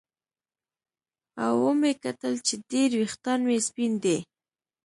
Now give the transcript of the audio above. او ومې کتل چې ډېر ویښتان مې سپین دي